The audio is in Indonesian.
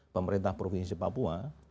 pemerintah provinsi papua